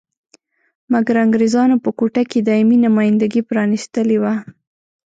مګر انګریزانو په کوټه کې دایمي نمایندګي پرانیستلې وه.